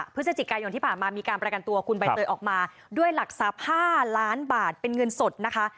พฤศจิกายนที่ผ่านมามีการประกันตัวคุณใบเตยออกมาด้วยหลักทรัพย์๕ล้านบาทเป็นเงินสดนะคะ